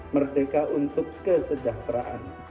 merdeka untuk kesejahteraan